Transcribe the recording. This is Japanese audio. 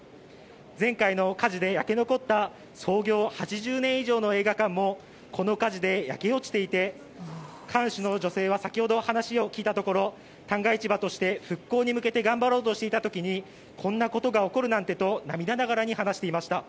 前回の火事で焼け残った創業８０年以上の映画館もこの火事で焼け落ちていて館主の女性は先ほど話を聞いたところ旦過市場として復興に向けて頑張ろうとしていた時にこんなことが起こるなんてと涙ながらに話していました。